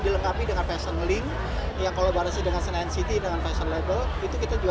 dilengkapi dengan fashion link yang kalau berhasil dengan sena nct dengan fashion label itu kita juga